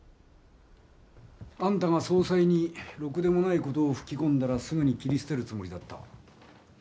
あんたが総裁にろくでもない事を吹き込んだらすぐに斬り捨てるつもりだった。